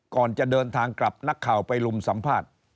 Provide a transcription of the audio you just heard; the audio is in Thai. ก่อนจะเดินทางกลับนักข่าวไปลุมสัมภาษณ์